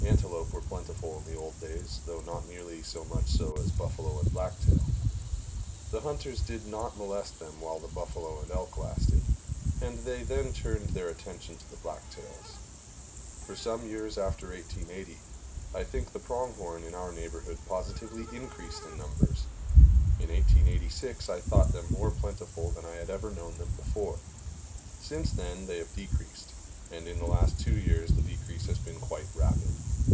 Antelope were plentiful in the old days, though not nearly so much so as buffalo and blacktail. The hunters did not molest them while the buffalo and elk lasted, and they then turned their attention to the blacktails. For some years after 1880 I think the pronghorn in our neighborhood positively increased in numbers. In 1886 I thought them more plentiful than I had ever known them before. Since then they have decreased, and in the last two years the decrease has been quite rapid.